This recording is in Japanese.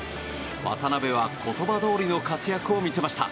渡邊は言葉どおりの活躍を見せました。